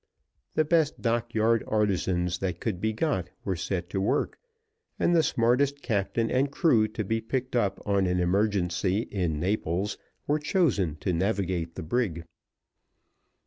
The best dock yard artisans that could be got were set to work, and the smartest captain and crew to be picked up on an emergency in Naples were chosen to navigate the brig.